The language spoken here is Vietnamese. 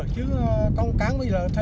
chứ con cám bây giờ thuê